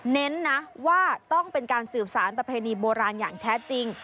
เน้นนะว่าต้องเป็นการสืบสารประเพณีโบราณอย่างแท้จริง